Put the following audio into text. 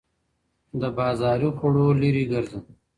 له بازاري خوړو لیرې ګرځه.